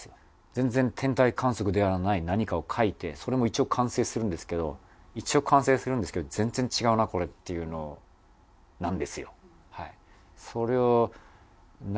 全然『天体観測』ではない何かを書いてそれも一応完成するんですけど一応完成するんですけど全然違うなこれっていうのなんですよ。